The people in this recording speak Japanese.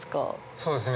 そうですね